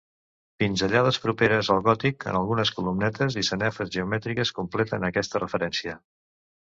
Pinzellades properes al gòtic en algunes columnetes i sanefes geomètriques completen aquesta referència.